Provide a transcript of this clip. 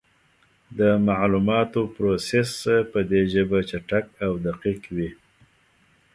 د معلوماتو پروسس په دې ژبه چټک او دقیق دی.